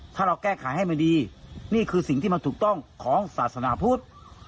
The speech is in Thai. ถ้าเราแก้ไขให้มันดีนี่คือสิ่งที่มันถูกต้องของศาสนาพุทธ